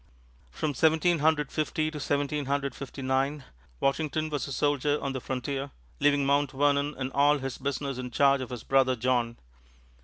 From Seventeen Hundred Fifty to Seventeen Hundred Fifty nine, Washington was a soldier on the frontier, leaving Mount Vernon and all his business in charge of his brother John.